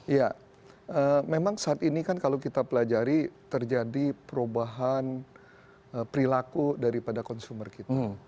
ya memang saat ini kan kalau kita pelajari terjadi perubahan perilaku daripada konsumer kita